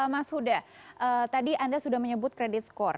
mas huda tadi anda sudah menyebut kredit skor